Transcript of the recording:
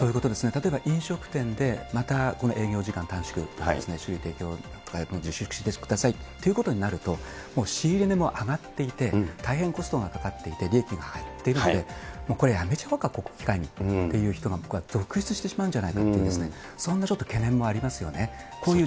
例えば飲食店でまた営業時間短縮ですとか、酒類提供とかということになると、仕入れ値も上がっていて、大変コストがかかっていて、利益が出なくて、これ、やめちゃうおうか、この機会にという人が僕は続出してしまうんじゃないかという、そんなちょっと懸念もありますよね。